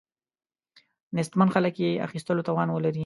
نیستمن خلک یې اخیستلو توان ولري.